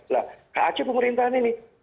nah hacap pemerintahan ini